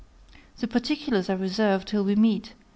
The particulars I reserve till we meet.